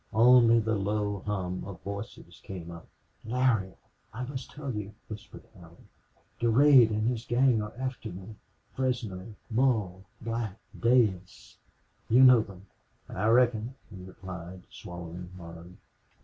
Only the low hum of voices came up. "Larry, I must tell you," whispered Allie. "Durade and his gang are after me. Fresno Mull Black Dayss you know them?" "I reckon," he replied, swallowing hard.